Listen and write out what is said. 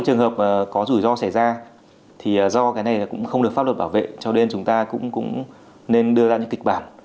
tuy nhiên chúng ta cũng nên đưa ra những kịch bản